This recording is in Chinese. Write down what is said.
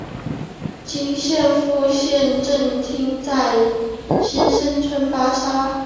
现今的副县政厅在新生村巴刹。